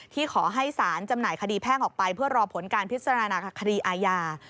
ขอให้สารจำหน่ายคดีแพ่งออกไปเพื่อรอผลการพิจารณาคดีอาญา